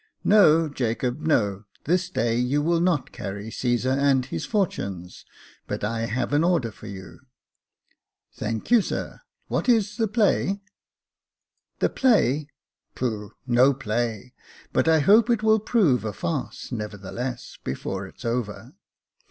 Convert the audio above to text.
"No, Jacob, no ; this day you will not carry Caesar and his fortunes, but I have an order for you." " Thank you, sir j what is the play ?" Jacob Faithful 261 " The play — pooh ! no play j but I hope it will prove a farce, nevertheless, before it's over.